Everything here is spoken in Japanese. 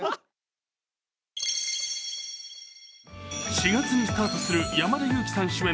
４月にスタートする山田裕貴さん主演